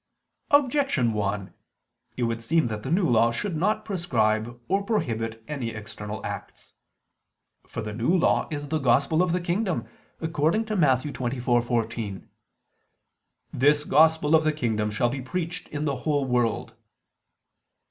Objection 1: It would seem that the New Law should not prescribe or prohibit any external acts. For the New Law is the Gospel of the kingdom, according to Matt. 24:14: "This Gospel of the kingdom shall be preached in the whole world."